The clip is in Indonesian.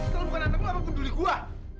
kalau bukan anak lo apa penduli gua